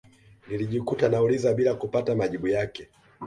Nilijikuta nauliza bila kupata majibu yake